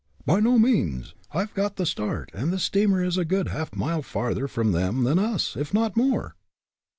"By no means. I've got the start, and the steamer is a good half a mile farther from them than us, if not more!"